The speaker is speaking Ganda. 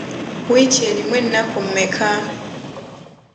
Wiiki erimu ennaku mmeka?